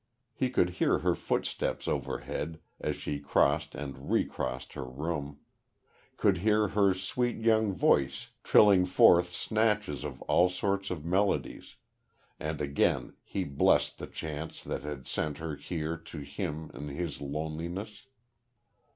He could hear her footsteps overhead as she crossed and recrossed her room could hear her sweet young voice trilling forth snatches of all sorts of melodies, and again he blessed the chance that had sent her here to him in his loneliness.